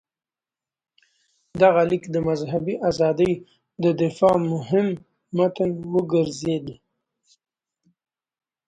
دغه لیک د مذهبي ازادۍ د دفاع مهم متن وګرځېد.